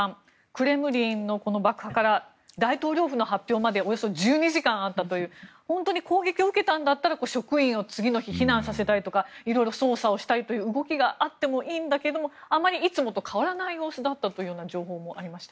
クレムリンの爆破から大統領府の発表までおよそ１２時間あったという本当に攻撃を受けたんだったら職員を次の日、避難させたりとか色々、捜査をしたりという動きがあってもいいんだけどあまりいつもと変わらない様子だったという情報もありました。